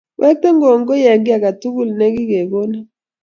Iwekten kongoi eng' kiy ake tukul ne kikonin